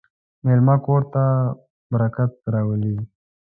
مېلمه کور ته برکت راولي.